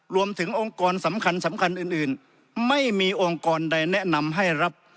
รวมถึงองค์กรสำคัญสำคัญอื่นไม่มีองค์กรใดแนะนำให้รับ